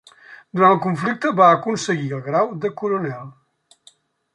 Durant el conflicte va aconseguir el grau de coronel.